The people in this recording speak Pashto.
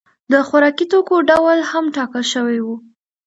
د خوراکي توکو ډول هم ټاکل شوی و.